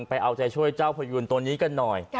ไปเอาใจช่วยเจ้าพยูนตัวนี้กันหน่อย